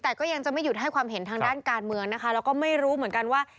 แต่ก็ยังจะไม่หยุดให้ความเห็นทางด้านการเมืองนะคะแล้วก็ไม่รู้เหมือนกันว่า